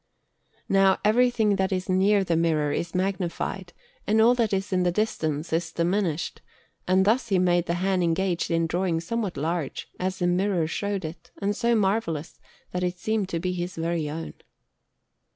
Now everything that is near the mirror is magnified, and all that is at a distance is diminished, and thus he made the hand engaged in drawing somewhat large, as the mirror showed it, and so marvellous that it seemed to be his very own.